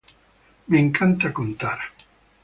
Me encanta contar.